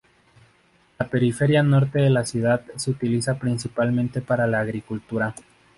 La periferia norte de la ciudad se utiliza principalmente para la agricultura.